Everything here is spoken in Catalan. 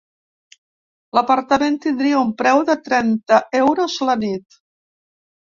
L'apartament tindria un preu de trenta euros la nit.